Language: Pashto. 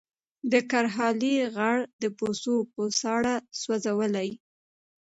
د کرهالې خړ د بوسو بوساړه سوځولې